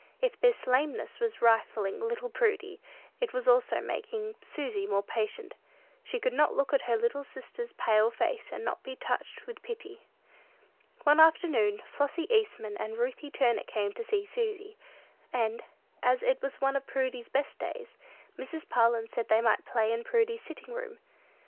If this lameness was refining little Prudy, it was also making Susy more patient. She could not look at her little sister's pale face, and not be touched with pity. One afternoon, Flossy Eastman and Ruthie Turner came to see Susy; and, as it was one of Prudy's best days, Mrs. Parlin said they might play in Prudy's sitting room.